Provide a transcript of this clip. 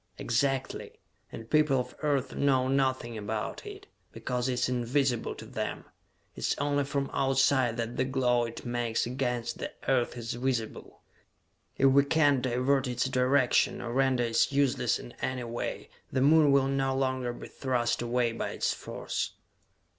"Exactly! And people of Earth know nothing about it, because it is invisible to them! It is only from Outside that the glow it makes against the Earth is visible! If we can divert its direction, or render it useless in any way, the Moon will no longer be thrust away by its force!"